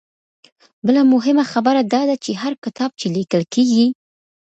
بله مهمه خبره دا ده چې هر کتاب چې ليکل کيږي